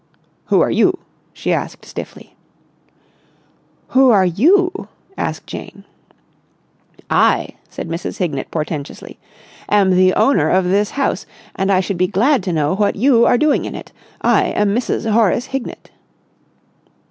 "Who are you?" she asked stiffly. "Who are you?" asked Jane. "I," said Mrs. Hignett portentously, "am the owner of this house, and I should be glad to know what you are doing in it. I am Mrs. Horace Hignett."